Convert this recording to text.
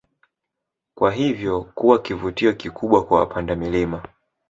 Na hivyo kuwa kivutio kikubwa kwa wapanda milima